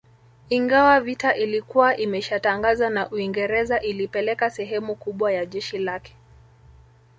Ingawa vita ilikuwa imeshatangazwa na Uingereza ilipeleka sehemu kubwa ya jeshi lake